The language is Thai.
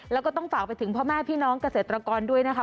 แล้วก็ต้องฝากไปถึงพ่อแม่พี่น้องเกษตรกรด้วยนะคะ